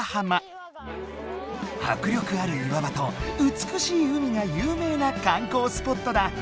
迫力ある岩場と美しい海が有名な観光スポットだ。